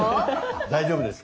大丈夫ですか？